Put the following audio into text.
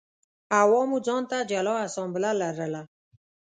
عوامو ځان ته جلا اسامبله لرله.